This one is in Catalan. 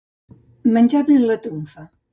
Menjar-li la trumfa.